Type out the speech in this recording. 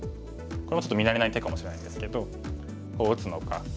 これもちょっと見慣れない手かもしれないんですけどこう打つのか。